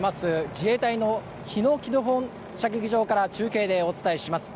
自衛隊の日野基本射撃場から中継でお伝えします。